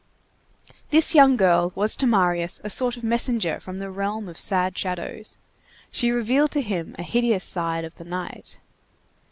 This young girl was to Marius a sort of messenger from the realm of sad shadows. She revealed to him a hideous side of the night.